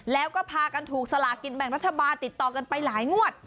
แล้วก็พากันถูกสลากินแบ่งรัฐบาลติดต่อกันไปหลายงวด